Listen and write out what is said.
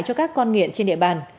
cho các con nghiện trên địa bàn